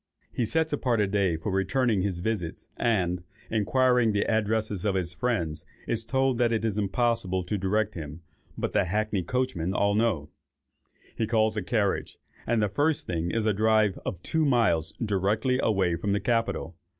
He sets apart a day for returning his visits; and, inquiring the addresses of his friends, is told that it is impossible to direct him, but the hackney coachmen all know. He calls a carriage, and the first thing is a drive of two miles directly away from the Capitol.